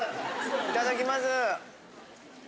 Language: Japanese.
いただきます。